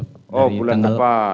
oh bulan depan